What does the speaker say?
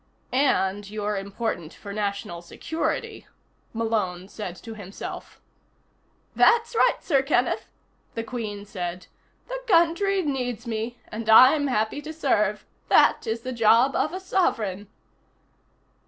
And you're important for national security, Malone said to himself. "That's right, Sir Kenneth," the Queen said. "The country needs me, and I'm happy to serve. That is the job of a sovereign."